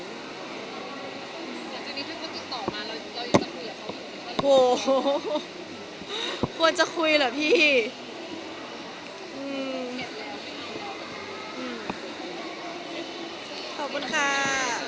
เดี๋ยวนี้ถ้าเขาติดต่อมาเราจะคุยกับเขาหรือเปล่า